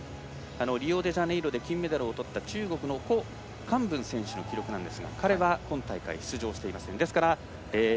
リオデジャネイロで金メダルをとった中国の選手の記録ですが彼は今大会、出場していません。